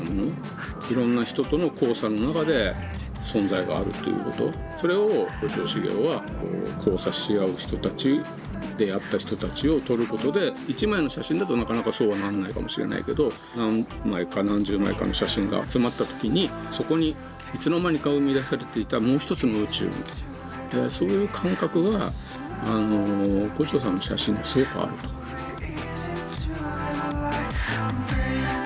いろんな人との交差の中で存在があるということそれを牛腸茂雄は交差し合う人たち出会った人たちを撮ることで一枚の写真だとなかなかそうはなんないかもしれないけど何枚か何十枚かの写真が集まった時にそこにいつの間にか生み出されていた「もうひとつの宇宙」みたいなそういう感覚は牛腸さんの写真にはすごくあると思う。